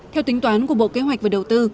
theo tính toán của bộ kế hoạch và đầu tư